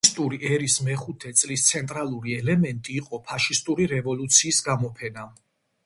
ფაშისტური ერის მეხუთე წლის ცენტრალური ელემენტი იყო ფაშისტური რევოლუციის გამოფენა.